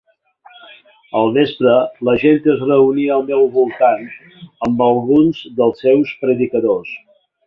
Al vespre la gent es reunia al meu voltant, amb alguns dels seus predicadors.